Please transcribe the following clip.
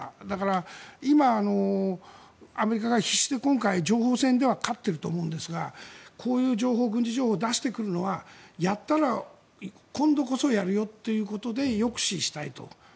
だからアメリカが必死で今回、情報戦では勝っていると思うんですがこういう軍事情報を出してくるのはやったら今度こそやるよということで抑止したいと。